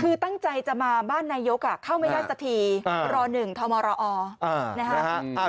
คือตั้งใจจะมาบ้านนายกเข้าไม่ได้สักทีร๑ทมรอนะฮะ